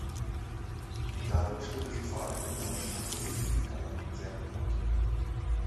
Dadurch wurde sie vor allem in Deutschland und in den Niederlanden sehr bekannt.